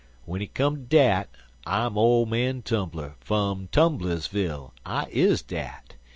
W'en hit come to dat I'm ole man Tumbler, fum Tumblersville I is dat.